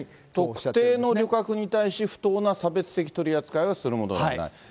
特定の旅客に対し不当な差別的取り扱いはするものではない。